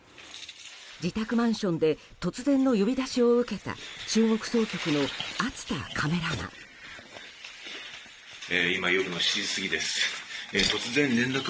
自宅マンションで突然の呼び出しを受けた中国総局の熱田カメラマン。